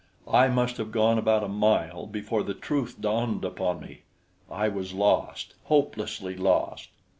I must have gone about a mile before the truth dawned upon me I was lost, hopelessly lost.